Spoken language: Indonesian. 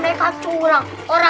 disiram disiram aja ya